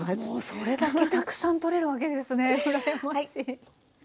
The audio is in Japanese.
それだけたくさんとれるわけですね羨ましい。